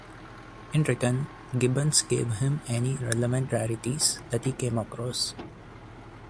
In return Gibbons gave him any relevant rarities that he came across.